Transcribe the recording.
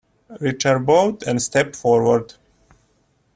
Richard bowed and stepped forward.